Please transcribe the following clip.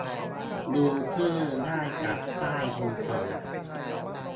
ดูชื่อได้จากป้ายบนกล่อง